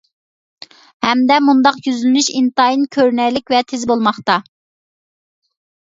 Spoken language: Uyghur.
ھەمدە مۇنداق يۈزلىنىش ئىنتايىن كۆرۈنەرلىك ۋە تېز بولماقتا.